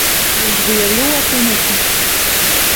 Viņš bija ļoti nikns.